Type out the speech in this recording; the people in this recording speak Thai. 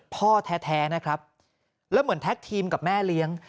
พ่อแท้นะครับแล้วเหมือนแท็กทีมกับแม่เลี้ยง